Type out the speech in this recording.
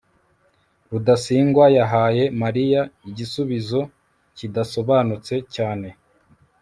rudasingwa yahaye mariya igisubizo kidasobanutse cyane